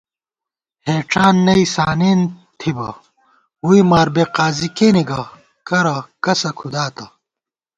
ہېڄان نئ سانېن تھِبہ وُئی، ماربېگ قاضی کېنےگہ کرہ کسہ کھُداتہ